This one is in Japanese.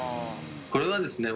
これはですね